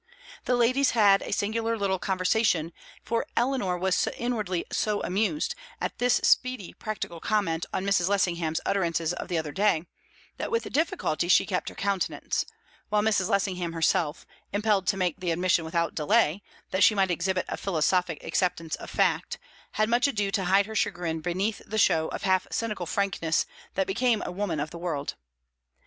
The ladies had a singular little conversation, for Eleanor was inwardly so amused at this speedy practical comment on Mrs. Lessingham's utterances of the other day, that with difficulty she kept her countenance; while Mrs. Lessingham herself, impelled to make the admission without delay, that she might exhibit a philosophic acceptance of fact, had much ado to hide her chagrin beneath the show of half cynical frankness that became a woman of the world.